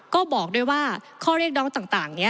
ก็บอกด้วยว่าข้อเรียกร้องต่างนี้